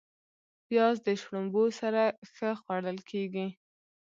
پیاز د شړومبو سره ښه خوړل کېږي